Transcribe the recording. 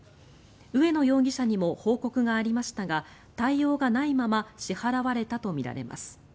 植野容疑者にも報告がありましたが対応がないまま支払われたとみられます。